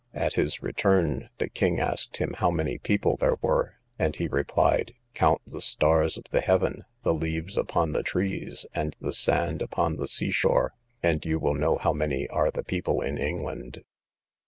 At his return, the king asked him how many people there were? and he replied, count the stars of the sky, the leaves upon the trees, and the sand upon the seashore, and you will know how many are the people in England.